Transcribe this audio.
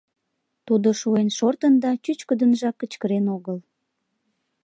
Тудо шуэн шортын да чӱчкыдынжак кычкырен огыл.